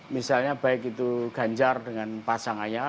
misalnya baik itu ganjar dengan pasangan